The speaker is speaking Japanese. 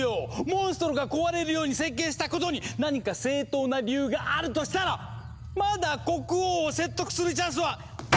モンストロが壊れるように設計したことに何か正当な理由があるとしたらまだ国王を説得するチャンスは！